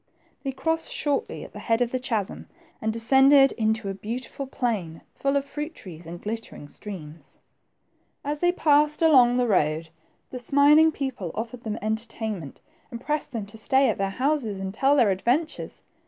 They crossed shortly at the head of the chasm, and descended into a beautiful plain, full of fruit trees and glittering streams. THE TWO FRINGES. 91 As they passed along the road, the smiling people offered them entertainment, and pressed them to stay at their houses and tell their adventures.